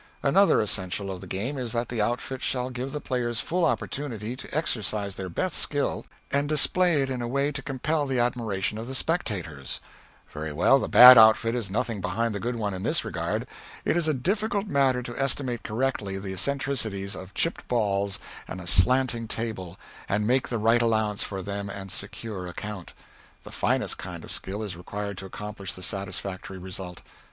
Another essential of the game is that the outfit shall give the players full opportunity to exercise their best skill, and display it in a way to compel the admiration of the spectators. Very well, the bad outfit is nothing behind the good one in this regard. It is a difficult matter to estimate correctly the eccentricities of chipped balls and a slanting table, and make the right allowance for them and secure a count; the finest kind of skill is required to accomplish the satisfactory result.